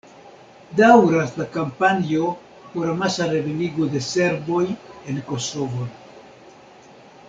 Daŭras la kampanjo por amasa revenigo de serboj en Kosovon.